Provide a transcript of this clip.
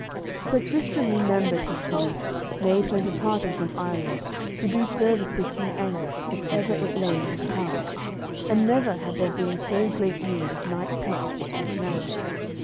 Sir Tristram remembered his promise, made when departing from Ireland, to do service to King Anguish if ever it lay in his power, and never had there been so great need of knight's help as now.